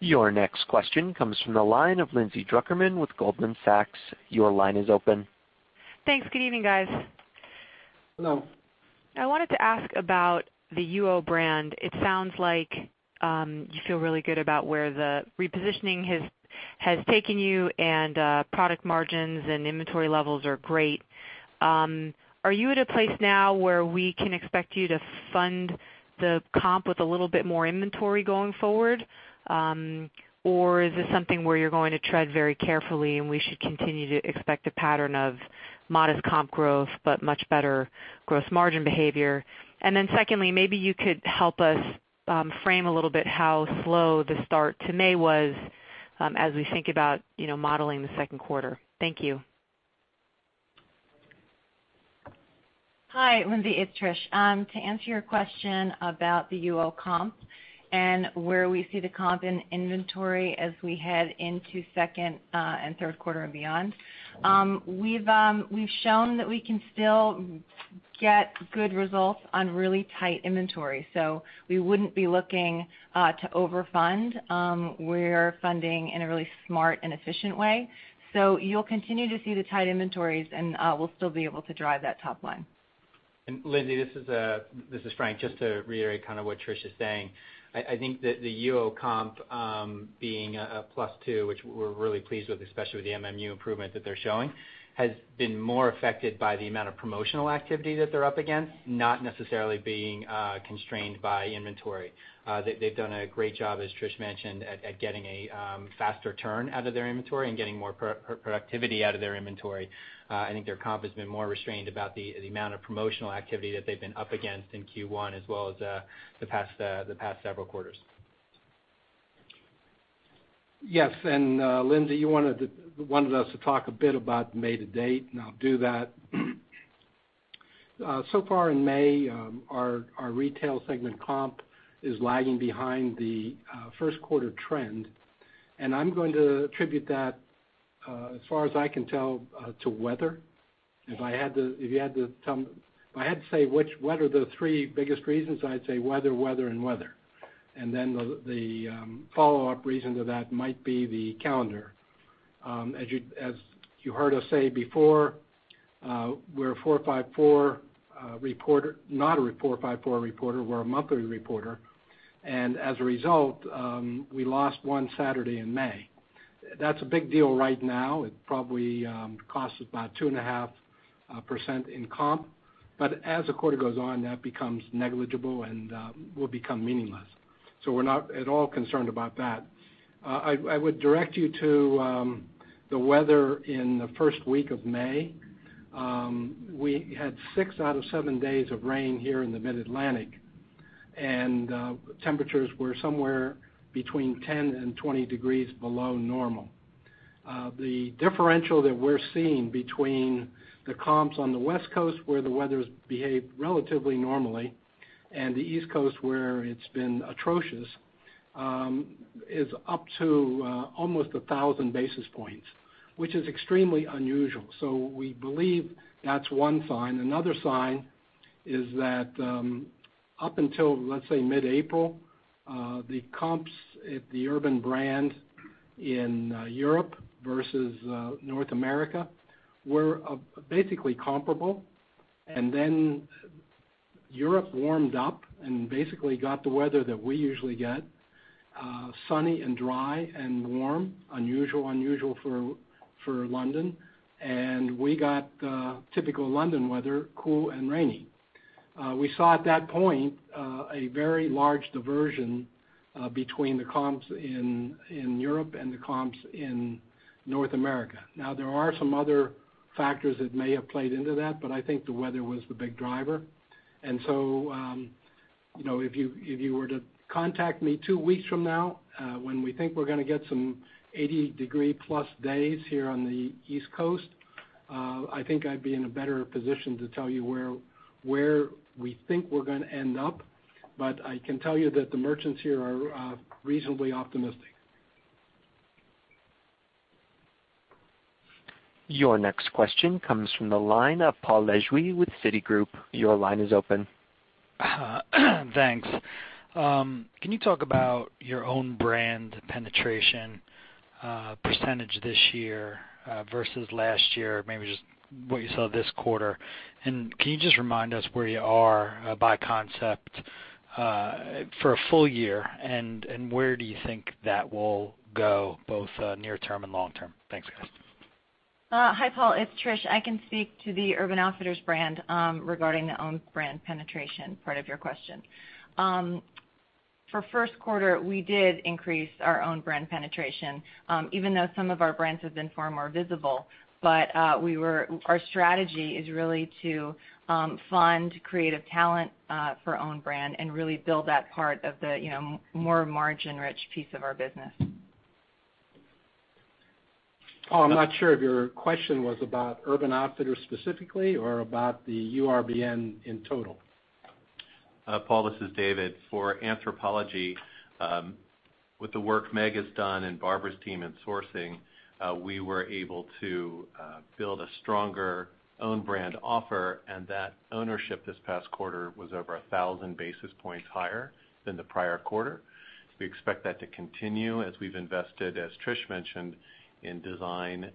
Your next question comes from the line of Lindsay Drucker Mann with Goldman Sachs. Your line is open. Thanks. Good evening, guys. Hello. I wanted to ask about the UO brand. It sounds like you feel really good about where the repositioning has taken you and product margins and inventory levels are great. Are you at a place now where we can expect you to fund the comp with a little bit more inventory going forward? Or is this something where you're going to tread very carefully, and we should continue to expect a pattern of modest comp growth, but much better gross margin behavior? Secondly, maybe you could help us frame a little bit how slow the start to May was as we think about modeling the second quarter. Thank you. Hi, Lindsay, it's Trish. To answer your question about the UO comp and where we see the comp in inventory as we head into second and third quarter and beyond. We've shown that we can still get good results on really tight inventory, so we wouldn't be looking to over-fund. We're funding in a really smart and efficient way. You'll continue to see the tight inventories, and we'll still be able to drive that top line. Lindsay, this is Frank. Just to reiterate what Trish is saying. I think that the UO comp being a +2, which we're really pleased with, especially with the MMU improvement that they're showing, has been more affected by the amount of promotional activity that they're up against, not necessarily being constrained by inventory. They've done a great job, as Trish mentioned, at getting a faster turn out of their inventory and getting more productivity out of their inventory. I think their comp has been more restrained about the amount of promotional activity that they've been up against in Q1 as well as the past several quarters. Yes. Lindsay, you wanted us to talk a bit about May to date, and I'll do that. So far in May, our retail segment comp is lagging behind the first quarter trend, and I'm going to attribute that, as far as I can tell, to weather. If I had to say what are the three biggest reasons, I'd say weather, and weather. Then the follow-up reason to that might be the calendar. As you heard us say before, we're not a 4-5-4 reporter. We're a monthly reporter. As a result, we lost one Saturday in May. That's a big deal right now. It probably costs us about 2.5% in comp. But as the quarter goes on, that becomes negligible and will become meaningless. We're not at all concerned about that. I would direct you to the weather in the first week of May. We had six out of seven days of rain here in the Mid-Atlantic, and temperatures were somewhere between 10 and 20 degrees below normal. The differential that we're seeing between the comps on the West Coast, where the weather's behaved relatively normally, and the East Coast, where it's been atrocious, is up to almost 1,000 basis points, which is extremely unusual. We believe that's one sign. Another sign is that up until, let's say, mid-April, the comps at the Urban brand in Europe versus North America were basically comparable. Then Europe warmed up and basically got the weather that we usually get, sunny and dry and warm. Unusual for London. We got the typical London weather, cool and rainy. We saw at that point, a very large divergence between the comps in Europe and the comps in North America. There are some other factors that may have played into that, I think the weather was the big driver. If you were to contact me two weeks from now, when we think we're going to get some 80-degree plus days here on the East Coast, I think I'd be in a better position to tell you where we think we're going to end up. I can tell you that the merchants here are reasonably optimistic. Your next question comes from the line of Paul Lejuez with Citigroup. Your line is open. Thanks. Can you talk about your own brand penetration % this year versus last year, maybe just what you saw this quarter. Can you just remind us where you are by concept for a full year and where do you think that will go both near term and long term? Thanks, guys. Hi, Paul. It's Trish. I can speak to the Urban Outfitters brand regarding the own brand penetration part of your question. For first quarter, we did increase our own brand penetration even though some of our brands have been far more visible. Our strategy is really to fund creative talent for own brand and really build that part of the more margin-rich piece of our business. Paul, I'm not sure if your question was about Urban Outfitters specifically, or about the URBN in total. Paul, this is David. For Anthropologie, with the work Meg has done and Barbara's team in sourcing, we were able to build a stronger own brand offer, and that ownership this past quarter was over 1,000 basis points higher than the prior quarter. We expect that to continue as we've invested, as Trish mentioned, in design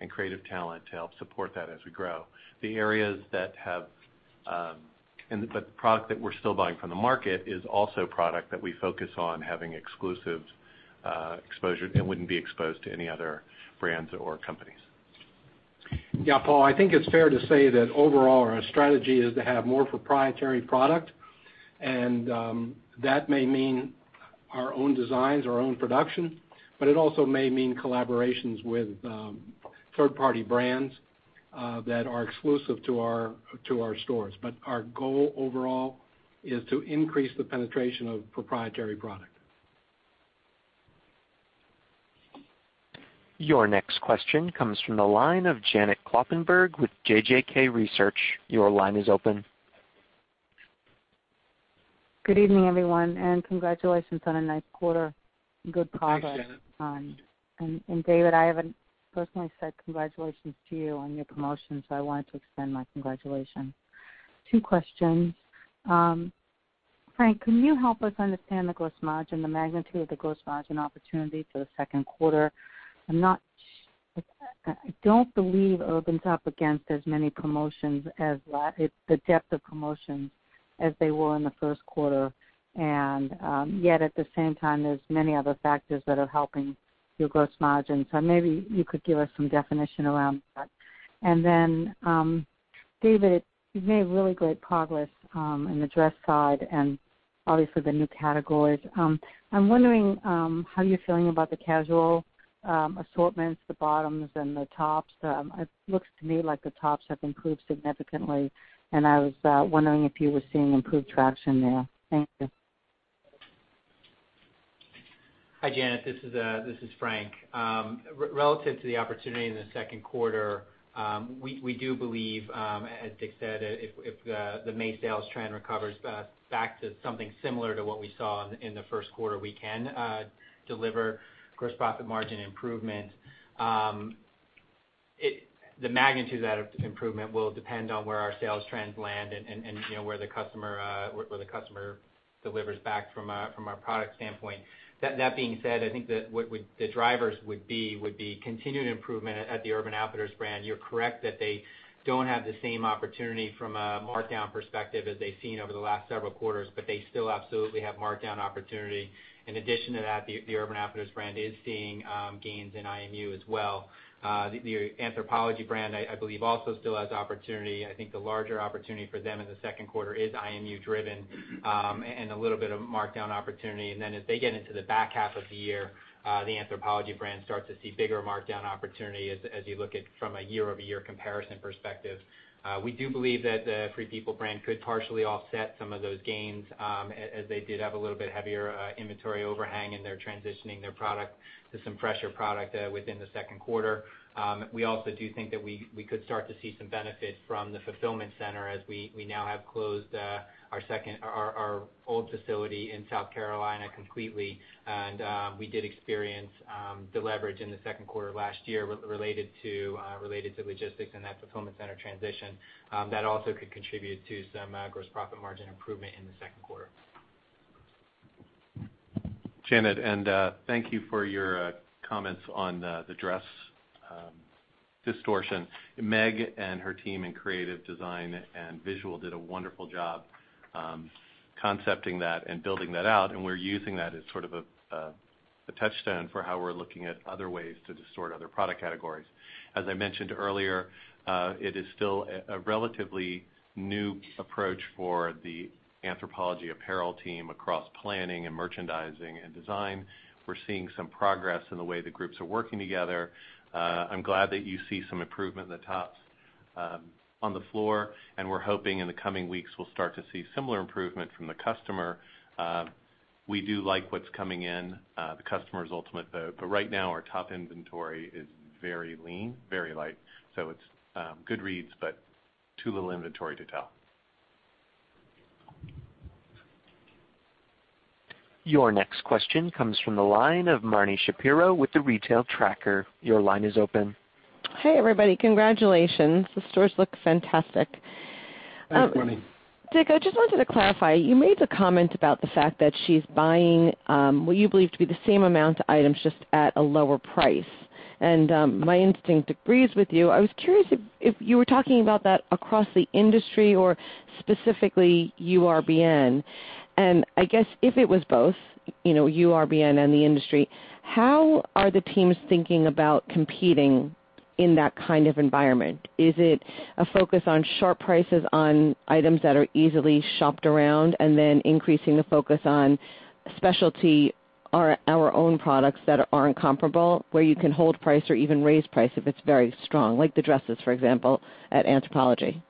and creative talent to help support that as we grow. The product that we're still buying from the market is also product that we focus on having exclusive exposure and wouldn't be exposed to any other brands or companies. Yeah, Paul, I think it's fair to say that overall, our strategy is to have more proprietary product. That may mean our own designs, our own production, but it also may mean collaborations with third-party brands that are exclusive to our stores. Our goal overall is to increase the penetration of proprietary product. Your next question comes from the line of Janet Kloppenburg with JJK Research. Your line is open. Good evening, everyone, and congratulations on a nice quarter. Thanks, Janet. David, I haven't personally said congratulations to you on your promotion, so I wanted to extend my congratulations. Two questions. Frank, can you help us understand the gross margin, the magnitude of the gross margin opportunity for the second quarter? I don't believe Urban's up against as many promotions as the depth of promotions as they were in the first quarter. Yet at the same time, there's many other factors that are helping your gross margin. Maybe you could give us some definition around that. Then David, you've made really great progress in the dress side and obviously the new categories. I'm wondering how you're feeling about the casual assortments, the bottoms and the tops. It looks to me like the tops have improved significantly, and I was wondering if you were seeing improved traction there. Thank you. Hi, Janet. This is Frank. Relative to the opportunity in the second quarter, we do believe as Dick said, if the May sales trend recovers back to something similar to what we saw in the first quarter, we can deliver gross profit margin improvement. The magnitude of that improvement will depend on where our sales trends land and where the customer delivers back from a product standpoint. That being said, I think that what the drivers would be, would be continued improvement at the Urban Outfitters brand. You're correct that they don't have the same opportunity from a markdown perspective as they've seen over the last several quarters, but they still absolutely have markdown opportunity. In addition to that, the Urban Outfitters brand is seeing gains in IMU as well. The Anthropologie brand, I believe, also still has opportunity. I think the larger opportunity for them in the second quarter is IMU driven, a little bit of markdown opportunity. As they get into the back half of the year, the Anthropologie brand starts to see bigger markdown opportunity as you look at from a year-over-year comparison perspective. We do believe that the Free People brand could partially offset some of those gains as they did have a little bit heavier inventory overhang and they're transitioning their product to some fresher product within the second quarter. We also do think that we could start to see some benefit from the fulfillment center as we now have closed our old facility in South Carolina completely. We did experience deleverage in the second quarter of last year related to logistics and that fulfillment center transition. That also could contribute to some gross profit margin improvement in the second quarter. Janet, thank you for your comments on the dress distortion. Meg and her team in creative design and visual did a wonderful job concepting that and building that out, and we're using that as sort of a touchstone for how we're looking at other ways to distort other product categories. As I mentioned earlier, it is still a relatively new approach for the Anthropologie apparel team across planning and merchandising and design. We're seeing some progress in the way the groups are working together. I'm glad that you see some improvement in the tops on the floor, and we're hoping in the coming weeks, we'll start to see similar improvement from the customer. We do like what's coming in. The customer's ultimate vote. Right now, our top inventory is very lean, very light. It's good reads, but too little inventory to tell. Your next question comes from the line of Marni Shapiro with The Retail Tracker. Your line is open. Hey, everybody. Congratulations. The stores look fantastic. Hey, Marni. Dick, I just wanted to clarify. You made the comment about the fact that she's buying what you believe to be the same amount of items, just at a lower price. My instinct agrees with you. I was curious if you were talking about that across the industry or specifically URBN. I guess, if it was both URBN and the industry, how are the teams thinking about competing in that kind of environment? Is it a focus on sharp prices on items that are easily shopped around and then increasing the focus on specialty or our own products that aren't comparable, where you can hold price or even raise price if it's very strong, like the dresses, for example, at Anthropologie?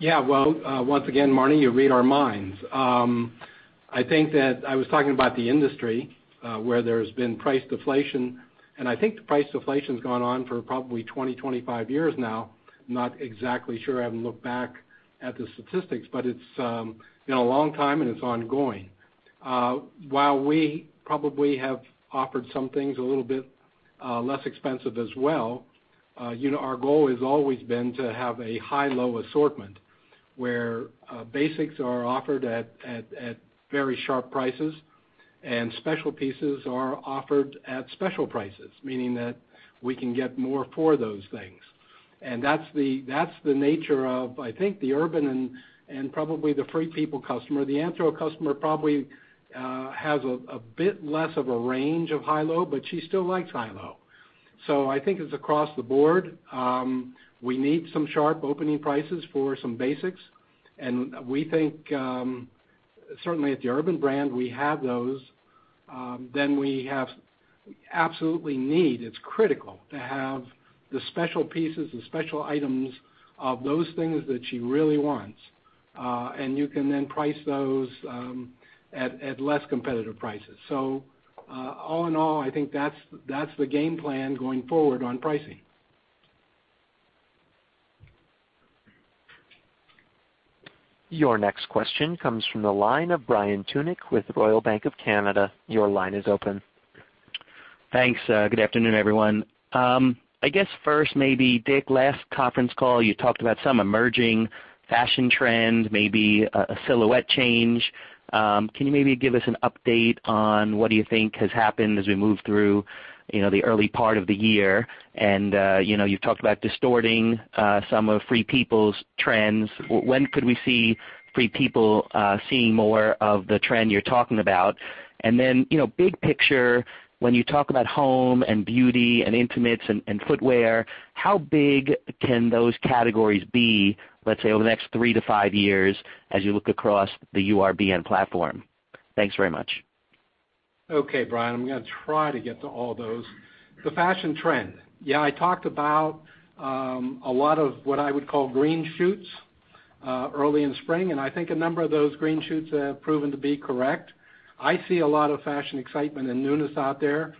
Yeah. Well, once again, Marni, you read our minds. I think that I was talking about the industry, where there's been price deflation, and I think the price deflation's gone on for probably 20, 25 years now. Not exactly sure. I haven't looked back at the statistics, but it's been a long time, and it's ongoing. While we probably have offered some things a little bit less expensive as well, our goal has always been to have a high-low assortment, where basics are offered at very sharp prices, and special pieces are offered at special prices, meaning that we can get more for those things. That's the nature of, I think, the Urban and probably the Free People customer. The Anthro customer probably has a bit less of a range of high-low, but she still likes high-low. I think it's across the board. We need some sharp opening prices for some basics, and we think, certainly at the Urban brand, we have those. We absolutely need, it's critical, to have the special pieces, the special items of those things that she really wants. You can then price those at less competitive prices. All in all, I think that's the game plan going forward on pricing. Your next question comes from the line of Brian Tunick with Royal Bank of Canada. Your line is open. Thanks. Good afternoon, everyone. I guess first maybe, Dick, last conference call, you talked about some emerging fashion trends, maybe a silhouette change. Can you maybe give us an update on what you think has happened as we move through the early part of the year? You've talked about distorting some of Free People's trends. When could we see Free People seeing more of the trend you're talking about? Then, big picture, when you talk about home and beauty and intimates and footwear, how big can those categories be, let's say, over the next three to five years as you look across the URBN platform? Thanks very much. Okay, Brian. I'm going to try to get to all those. The fashion trend. Yeah, I talked about a lot of what I would call green shoots early in spring, I think a number of those green shoots have proven to be correct. I see a lot of fashion excitement and newness out there.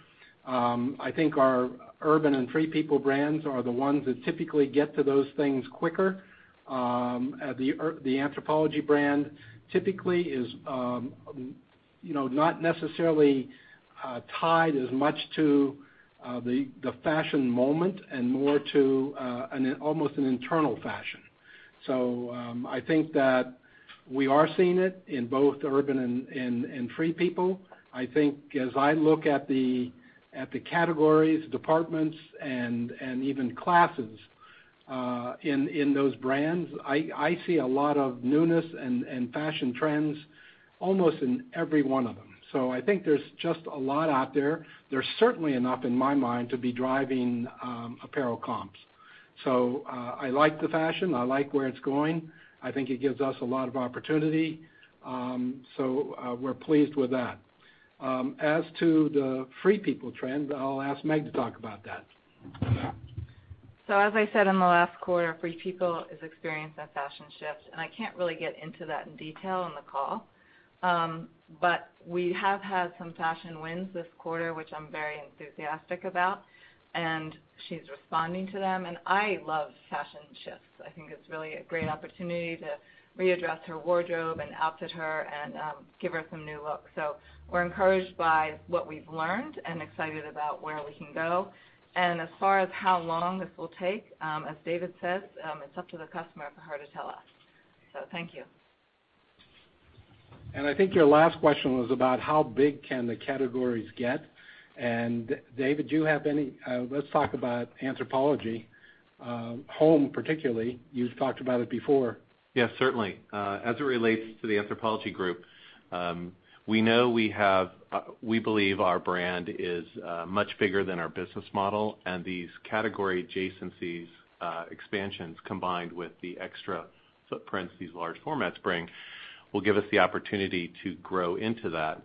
I think our Urban and Free People brands are the ones that typically get to those things quicker. The Anthropologie brand typically is not necessarily tied as much to the fashion moment and more to almost an internal fashion. I think that we are seeing it in both Urban and Free People. I think as I look at the categories, departments, and even classes in those brands, I see a lot of newness and fashion trends almost in every one of them. I think there's just a lot out there. There's certainly enough in my mind to be driving apparel comps. I like the fashion. I like where it's going. I think it gives us a lot of opportunity. We're pleased with that. As to the Free People trend, I'll ask Meg to talk about that. As I said in the last quarter, Free People is experiencing a fashion shift, and I can't really get into that in detail on the call. We have had some fashion wins this quarter, which I'm very enthusiastic about, and she's responding to them, and I love fashion shifts. I think it's really a great opportunity to readdress her wardrobe and outfit her and give her some new looks. We're encouraged by what we've learned and excited about where we can go. As far as how long this will take, as David says, it's up to the customer for her to tell us. Thank you. I think your last question was about how big can the categories get. David, let's talk about Anthropologie. Home particularly. You've talked about it before. Yes, certainly. As it relates to the Anthropologie Group, we believe our brand is much bigger than our business model. These category adjacencies expansions, combined with the extra footprints these large formats bring, will give us the opportunity to grow into that.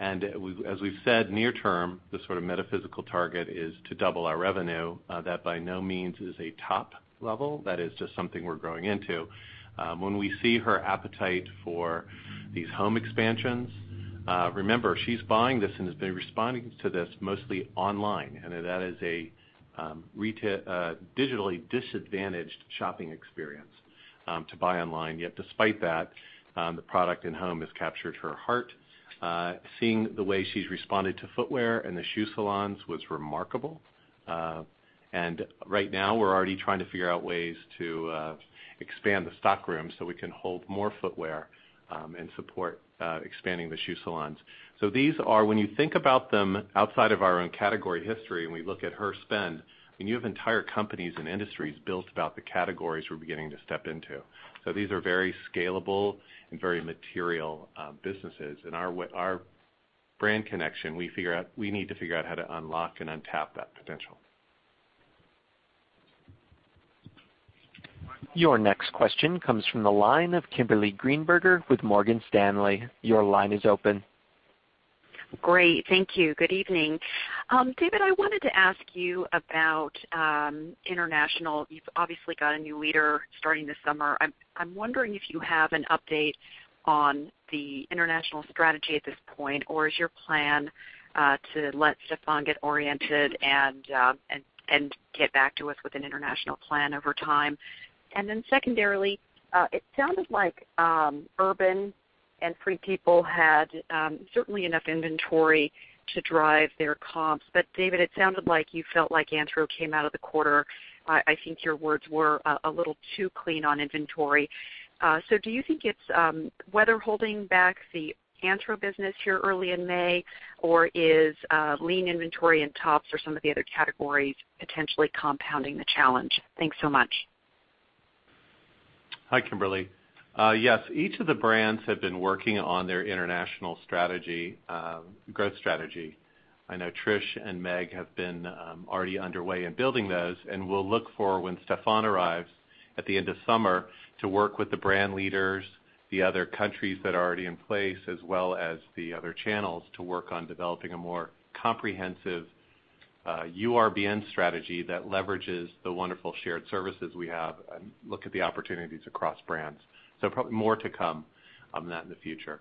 As we've said, near term, the sort of metaphysical target is to double our revenue. That by no means is a top level. That is just something we're growing into. When we see her appetite for these Home expansions, remember, she's buying this and has been responding to this mostly online, and that is a digitally disadvantaged shopping experience to buy online. Yet despite that, the product in Home has captured her heart. Seeing the way she's responded to footwear and the shoe salons was remarkable. Right now we're already trying to figure out ways to expand the stockroom so we can hold more footwear, and support expanding the shoe salons. These are, when you think about them outside of our own category history, and we look at her spend, and you have entire companies and industries built about the categories we're beginning to step into. These are very scalable and very material businesses. Our brand connection, we need to figure out how to unlock and untap that potential. Your next question comes from the line of Kimberly Greenberger with Morgan Stanley. Your line is open. Great. Thank you. Good evening. David, I wanted to ask you about international. You've obviously got a new leader starting this summer. I'm wondering if you have an update on the international strategy at this point, or is your plan to let Stefan get oriented and get back to us with an international plan over time? Then secondarily, it sounded like Urban and Free People had certainly enough inventory to drive their comps. David, it sounded like you felt like Anthro came out of the quarter, I think your words were, a little too clean on inventory. Do you think it's weather holding back the Anthro business here early in May, or is lean inventory in tops or some of the other categories potentially compounding the challenge? Thanks so much. Hi, Kimberly. Yes, each of the brands have been working on their international growth strategy. I know Trish and Meg have been already underway in building those. We'll look for when Stefan arrives at the end of summer to work with the brand leaders, the other countries that are already in place, as well as the other channels to work on developing a more comprehensive URBN strategy that leverages the wonderful shared services we have and look at the opportunities across brands. Probably more to come on that in the future.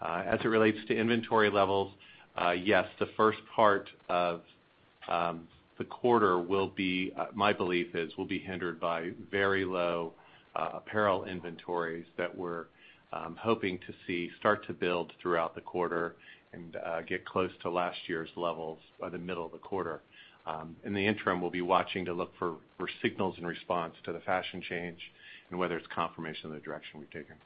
As it relates to inventory levels, yes, the first part of the quarter, my belief is, will be hindered by very low apparel inventories that we're hoping to see start to build throughout the quarter and get close to last year's levels by the middle of the quarter. In the interim, we'll be watching to look for signals in response to the fashion change and whether it's confirmation of the direction we've taken.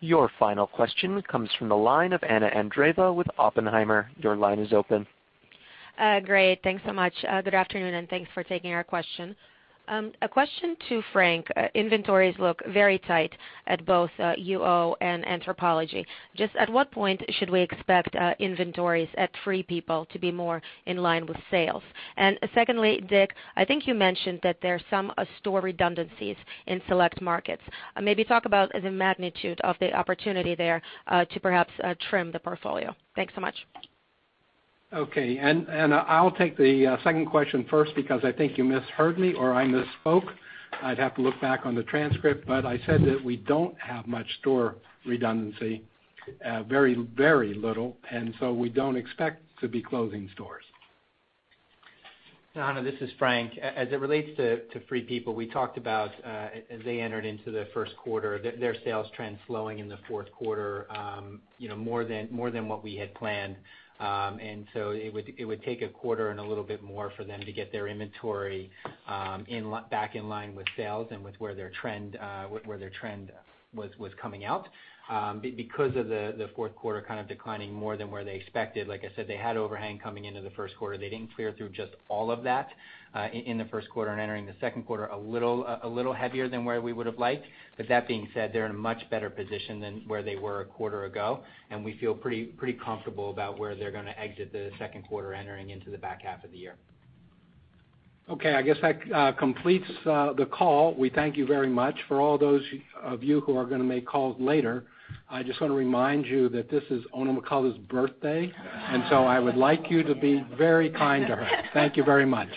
Your final question comes from the line of Anna Andreeva with Oppenheimer. Your line is open. Great. Thanks so much. Good afternoon, and thanks for taking our question. A question to Frank. Inventories look very tight at both UO and Anthropologie. Just at what point should we expect inventories at Free People to be more in line with sales? Secondly, Dick, I think you mentioned that there are some store redundancies in select markets. Maybe talk about the magnitude of the opportunity there, to perhaps trim the portfolio. Thanks so much. Okay. Anna, I'll take the second question first because I think you misheard me or I misspoke. I'd have to look back on the transcript, I said that we don't have much store redundancy. Very little, we don't expect to be closing stores. Anna, this is Frank. As it relates to Free People, we talked about, as they entered into the first quarter, their sales trends slowing in the fourth quarter more than what we had planned. It would take a quarter and a little bit more for them to get their inventory back in line with sales and with where their trend was coming out. The fourth quarter kind of declining more than where they expected, like I said, they had overhang coming into the first quarter. They didn't clear through just all of that in the first quarter and entering the second quarter a little heavier than where we would've liked. That being said, they're in a much better position than where they were a quarter ago, we feel pretty comfortable about where they're going to exit the second quarter entering into the back half of the year. Okay, I guess that completes the call. We thank you very much. For all those of you who are going to make calls later, I just want to remind you that this is Oona McCullough's birthday. I would like you to be very kind to her. Thank you very much.